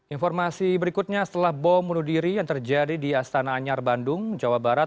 informasi berikutnya setelah bom bunuh diri yang terjadi di astana anyar bandung jawa barat